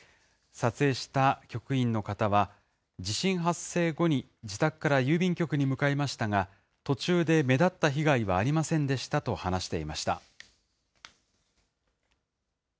撮影した局員の方は、地震発生後に自宅から郵便局に向かいましたが、途中で目立った被害はありませんでしたと話していました。